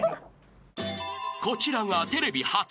［こちらがテレビ初。